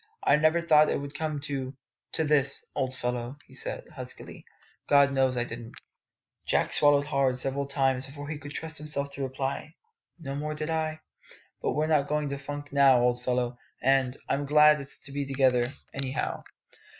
"I never thought it would come to to this, old fellow," he said huskily; "God knows I didn't!" Jack swallowed hard several times before he could trust himself to reply. "No more did I. But were not going to funk now, old fellow; and and I'm glad it's to be together, anyhow!"